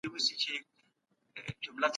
څېړونکو غوښتل معلومه کړي چي کاغذ د کوم وخت دی.